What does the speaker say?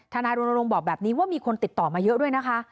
นายรณรงค์บอกแบบนี้ว่ามีคนติดต่อมาเยอะด้วยนะคะ